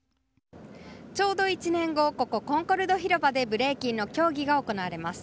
ちょうど１年後ここ、コンコルド広場でブレイキンの競技が行われます。